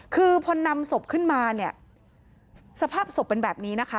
คือพอนำศพขึ้นมาเนี่ยสภาพศพเป็นแบบนี้นะคะ